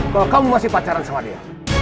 kalau kamu masih pacaran sama dia